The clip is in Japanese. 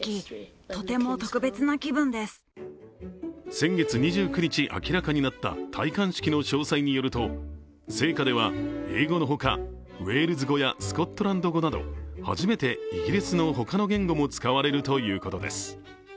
先月２９日明らかになった戴冠式の詳細によると聖歌では英語のほか、ウェールズ語やスコットランド語など初めてイギリスの他の言語も使われるということです。